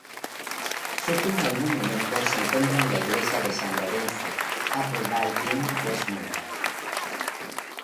Su tumba y monumento se encuentran en la Iglesia de San Lorenzo, Appleby-in-Westmorland.